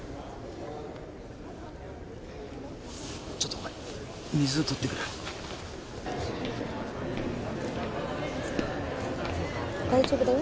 ちょっとごめん水取ってくる大丈夫だよ